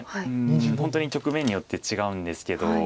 本当に局面によって違うんですけど。